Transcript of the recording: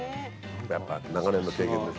やっぱ長年の経験ですよ。